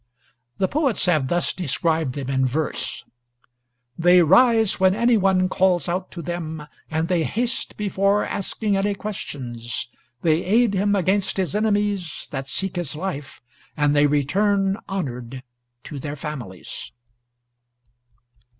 The poets have thus described them in verse: "They rise when any one calls out to them, and they haste before asking any questions; they aid him against his enemies that seek his life, and they return honored to their families."